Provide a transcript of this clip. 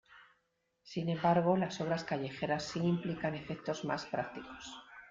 Sin embargo las obras callejeras si implican efectos más prácticos.